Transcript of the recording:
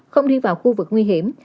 không đi vào khu vực nguy hiểm